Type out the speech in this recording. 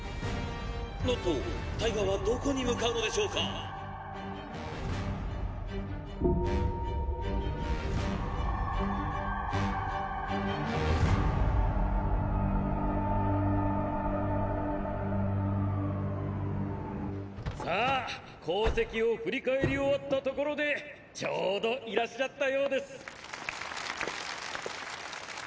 「なぁっとタイガーはどこに向かうのでしょうか⁉」さぁ功績を振り返り終わったところでちょうどいらっしゃったようです。